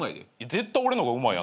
絶対俺の方がうまい。